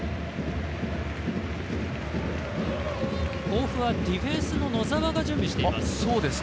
甲府はディフェンスの野澤が準備しています。